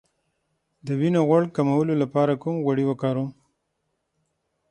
د وینې غوړ کمولو لپاره کوم غوړي وکاروم؟